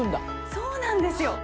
そうなんですよ。